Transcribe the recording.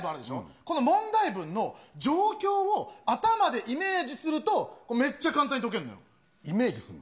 この問題文の状況を頭でイメージすると、めっちゃ簡単に解けるのイメージするの？